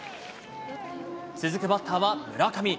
続くバッターは村上。